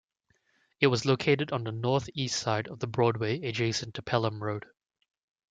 It was located on the north-east side of The Broadway adjacent to Pelham Road.